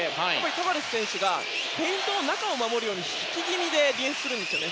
タバレス選手がペイントの中を守るように引き気味でディフェンスするんですよね。